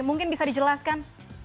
mungkin bisa dijelaskan